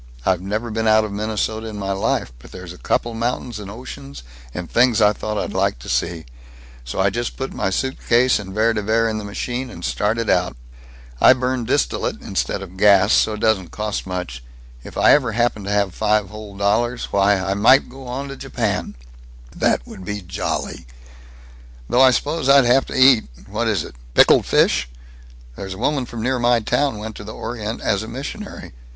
I've never been out of Minnesota in my life, but there's couple mountains and oceans and things I thought I'd like to see, so I just put my suitcase and Vere de Vere in the machine, and started out. I burn distillate instead of gas, so it doesn't cost much. If I ever happen to have five whole dollars, why, I might go on to Japan!" "That would be jolly." "Though I s'pose I'd have to eat what is it? pickled fish? There's a woman from near my town went to the Orient as a missionary.